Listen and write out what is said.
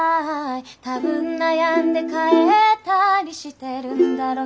「多分悩んで変えたりしてるんだろう